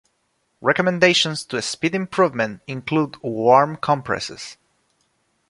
Recommendations to speed improvement include warm compresses.